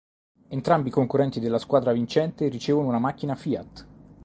Entrambi i concorrenti della squadra vincente ricevono una macchina Fiat.